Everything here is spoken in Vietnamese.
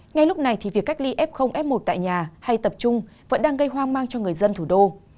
ngay lúc này thì việc cách ly f f một tại nhà hay tập trung vẫn đang gây hoang mang cho người dân thủ đô